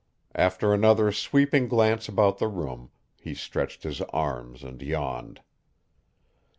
After another sweeping glance about the room he stretched his arms and yawned.